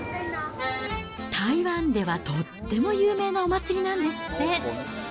台湾ではとっても有名なお祭りなんですって。